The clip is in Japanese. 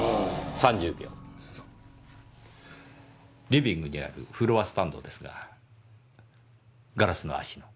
リビングにあるフロアスタンドですがガラスの足の。